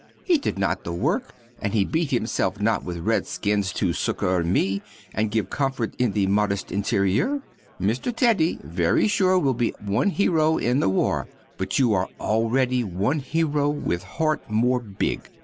He did not the work, and he beat himself not with Red Skins, to succour me and give comfort in the modest interior. Mr. Teddy very sure will be one hero in the war, but you are already one hero with heart more big.